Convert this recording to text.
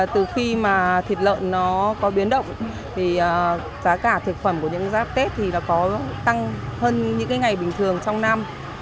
từ khi thịt lợn có biến động giá cả thực phẩm của những giáp tết có tăng hơn những ngày bình thường trong năm